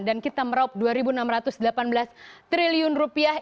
dan kita meraup dua ribu enam ratus delapan belas triliun rupiah